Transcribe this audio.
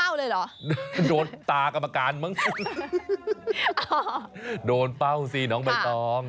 โดนเป้าเลยเหรอโดนตากรรมการมั้งโดนเป้าซิน้องใบต้อง